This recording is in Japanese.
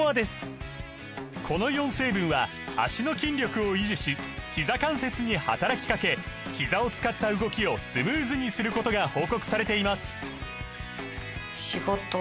この４成分は脚の筋力を維持しひざ関節に働きかけひざを使った動きをスムーズにすることが報告されています